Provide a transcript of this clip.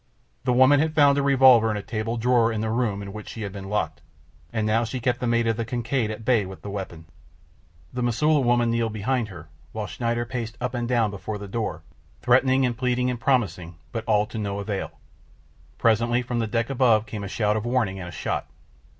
The woman had found a revolver in a table drawer in the room in which she had been locked, and now she kept the mate of the Kincaid at bay with the weapon. The Mosula woman kneeled behind her, while Schneider paced up and down before the door, threatening and pleading and promising, but all to no avail. Presently from the deck above came a shout of warning and a shot.